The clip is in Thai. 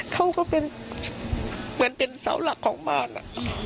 เขาก็เป็นเหมือนเป็นเสาหลักของมาร